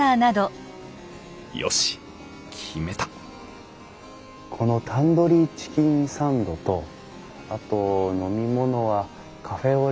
よし決めたこのタンドリーチキンサンドとあと飲み物はカフェオレをお願いします。